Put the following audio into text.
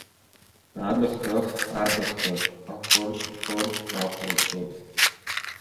Адых-дых, адых-дых, ахәырд-хәырд, ахәырд-хәырд!